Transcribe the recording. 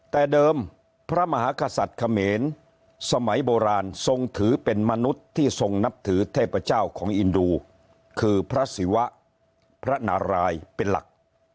แต่เดิมพระมหากษัตริย์เขมรสมัยโบราณทรงถือเป็นมนุษย์ที่ทรงนับถือเทพเจ้าของอินดูคือพระศิวะพระนารายเป็นหลัก